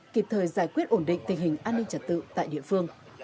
kịp thời giải quyết ổn định tình hình an ninh trật tự tại địa phương